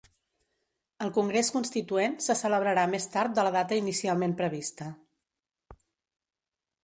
El congrés constituent se celebrarà més tard de la data inicialment prevista